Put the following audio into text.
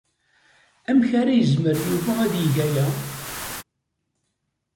Amek ara yezmer Yuba ad yeg aya?